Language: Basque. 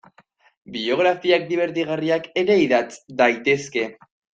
Biografiak dibertigarriak ere idatz daitezke.